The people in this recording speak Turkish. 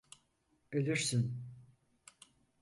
Ölürsün.